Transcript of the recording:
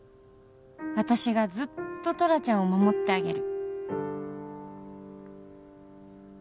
「私がずっとトラちゃんを守ってあげる！」